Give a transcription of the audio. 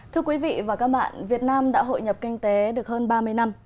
thưa quý vị và các bạn việt nam đã hội nhập kinh tế được hơn ba mươi năm